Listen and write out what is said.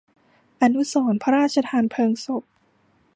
อนุสรณ์พระราชทานเพลิงศพ